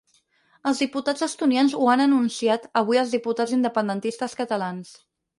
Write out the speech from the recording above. Els diputats estonians ho han anunciat avui als diputats independentistes catalans